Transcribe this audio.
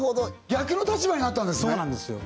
逆の立場になったんですね